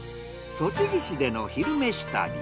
栃木市での「昼めし旅」。